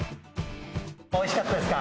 おいしかったですか？